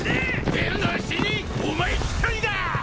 出るのは死人お前一人だ！